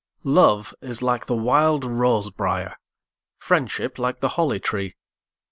Love is like the wild rose briar; Friendship like the holly tree.